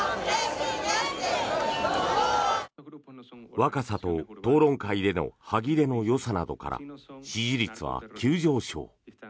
若さと討論会での歯切れのよさなどから支持率は急上昇。